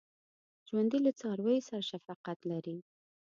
ژوندي له څارویو سره شفقت لري